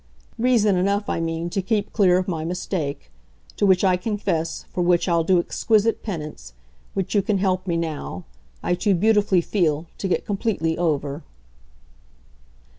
Reason enough, I mean, to keep clear of my mistake; to which I confess, for which I'll do exquisite penance, which you can help me now, I too beautifully feel, to get completely over."